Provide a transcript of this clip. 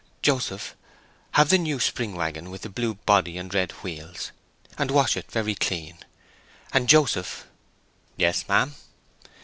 Joseph, have the new spring waggon with the blue body and red wheels, and wash it very clean. And, Joseph—" "Yes, ma'am."